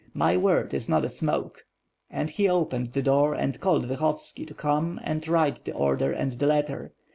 My word is not smoke," and, he opened the door and called Vyhovski to come and write the order and the letter.